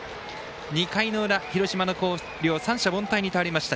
２回の裏、広島の広陵三者凡退に倒れました。